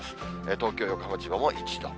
東京、横浜、千葉も１度。